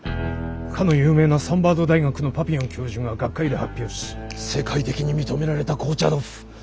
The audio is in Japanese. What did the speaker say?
かの有名なサンバード大学のパピヨン教授が学会で発表し世界的に認められた紅茶豆腐